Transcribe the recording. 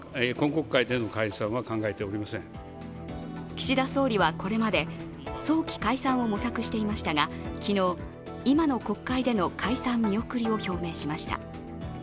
岸田総理はこれまで、早期解散を模索していましたが、昨日、今の国会での解散見送りを表明しました。